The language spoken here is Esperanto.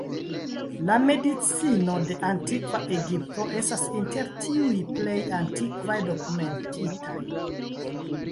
La medicino de Antikva Egipto estas inter tiuj plej antikvaj dokumentitaj.